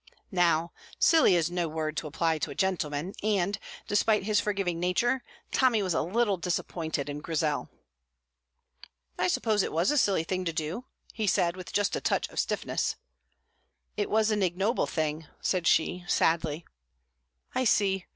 Now "silly" is no word to apply to a gentleman, and, despite his forgiving nature, Tommy was a little disappointed in Grizel. "I suppose it was a silly thing to do," he said, with just a touch of stiffness. "It was an ignoble thing," said she, sadly. "I see.